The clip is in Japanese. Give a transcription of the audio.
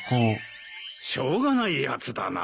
しょうがないやつだな。